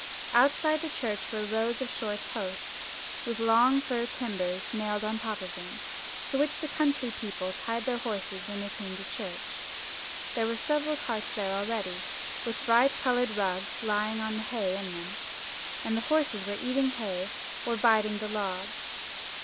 Outside the church were rows of short posts, with long rough fir timbers nailed on the top of them, to which the country people tied their horses when they came to church. There were several carts there already, with bright coloured rugs lying on the hay in them; and the horses were eating hay or biting the logs.